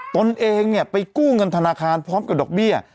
ตนเองเนี่ยไปกู้เงินธนาคารพร้อมกับดอกเบี้ย